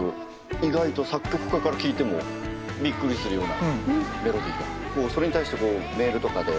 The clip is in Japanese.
意外と作曲家から聴いてもびっくりするようなメロディーでそれに対してこうメールとかで指摘するやん。